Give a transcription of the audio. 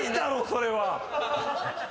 ⁉それは。